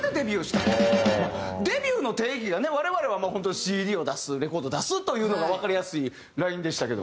デビューの定義が我々は本当にＣＤを出すレコード出すというのがわかりやすいラインでしたけども。